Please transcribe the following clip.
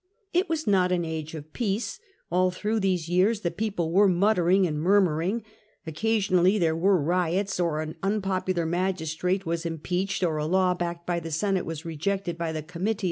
It was not an age of peace: all through these years the people were muttering and murmuring ; occasionally there were riots, or an unpopular magistrate was im peached, or a law backed by the Senate was rejected in the Comitia.